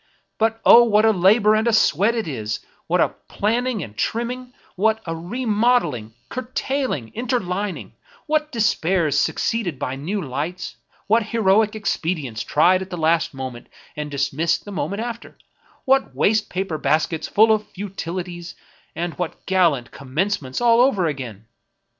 But O ! what a labor and sweat it is ; what a planning and trimming ; what a remodeling, curtailing, interlining; what despairs suc ceeded by new lights, what heroic expedients tried at the last moment, and dismissed the moment after ; what waste paper baskets full of futilities, and what gallant commence ments all over again